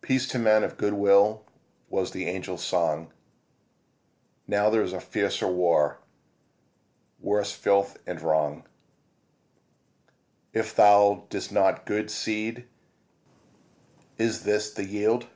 Peace to men of goodwill was the angels' song: Now there is fiercer war, worse filth and wrong. If thou didst sow good seed, is this the yield?